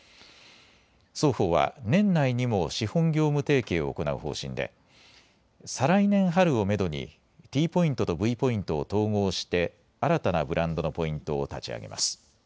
双方は年内にも資本業務提携を行う方針で再来年春をめどにＴポイントとＶポイントを統合して新たなブランドのポイントを立ち上げます。